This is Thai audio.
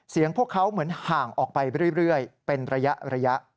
พวกเขาเหมือนห่างออกไปเรื่อยเป็นระยะ